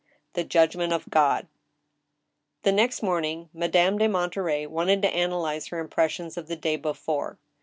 THE JUDGMENT OF GOD, The next morning Madame de Monterey wanted to analyze her impressions of the day before.